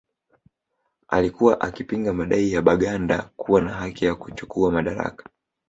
Alikuwa akipinga madai ya Baganda kuwa na haki za kuchukuwa madaraka